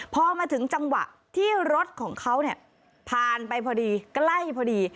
พอมาถึงจังหวะที่รถของเขาเนี่ยผ่านไปพอดีใกล้พอดี